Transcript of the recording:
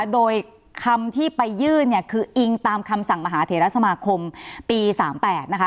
โดยคำที่ไปยื่นเนี่ยคืออิงตามคำสั่งมหาเถระสมาคมปี๓๘นะคะ